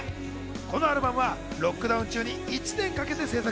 このアルバムはロックダウン中に１年かけて制作。